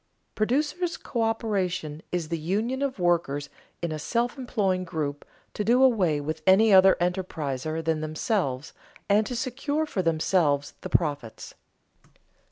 _Producers' coöperation is the union of workers in a self employing group to do away with any other enterpriser than themselves, and to secure for themselves the profits.